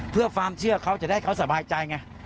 เพื่อความเชื่อเขาจะได้เขาสบายใจไง